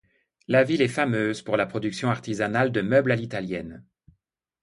La ville est fameuse pour la production artisanale de meubles à l'italienne.